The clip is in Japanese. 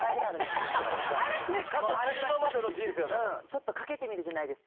ちょっとかけてみるじゃないですか。